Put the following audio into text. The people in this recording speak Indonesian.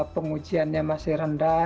pengujiannya masih rendah